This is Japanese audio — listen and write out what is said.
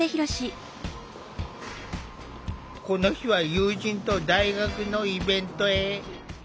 この日は友人と大学のイベントへ。